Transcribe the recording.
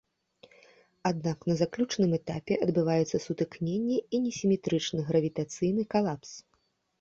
Аднак на заключным этапе адбываецца сутыкненне і несіметрычны гравітацыйны калапс.